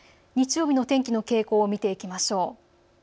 日曜日の天気の傾向を見ていきましょう。